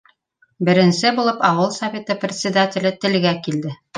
Беренсе булып ауыл Советы председателе телгә килде: